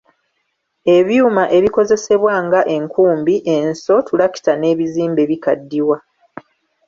Ebyuma ebikozesebwa nga enkumbi, enso, ttulakita n’ebizimbe bikaddiwa.